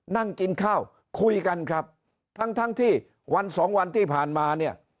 นั่งกินข้าวคุยกันครับทั้งทั้งที่วันสองวันที่ผ่านมาเนี่ย